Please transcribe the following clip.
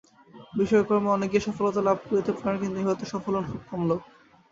বিষয়কর্মে অনেকেই সফলতা লাভ করিতে পারেন, কিন্তু ইহাতে সফল হন খুব কম লোক।